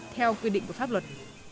theo quy định của pháp luật